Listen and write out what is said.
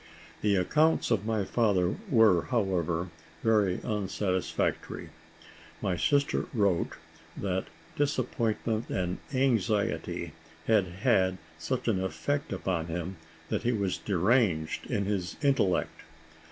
The accounts of my father were, however, very unsatisfactory. My sister wrote, that disappointment and anxiety had had such an effect upon him that he was deranged in his intellect.